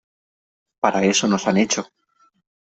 Para eso nos han hecho .